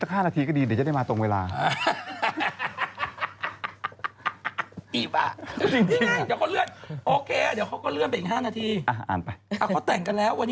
ถ้าสมมติอีกหน่อยกว่าเธอมาสายกูก็ถดไปเรื่อย